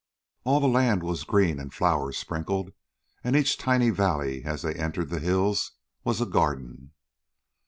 All the land was green and flower sprinkled, and each tiny valley, as they entered the hills, was a garden.